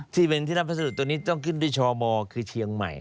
ที่เป็นที่รับพัสดุตัวนี้ต้องขึ้นด้วยชมคือเชียงใหม่